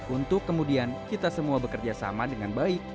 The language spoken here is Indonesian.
untuk kemudian kita semua bekerjasama dengan baik